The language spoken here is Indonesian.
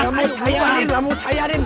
ini kamu cairin kamu cairin